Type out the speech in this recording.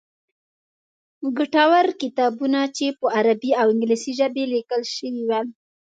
ګټور کتابونه چې په عربي او انګلیسي ژبې لیکل شوي ول.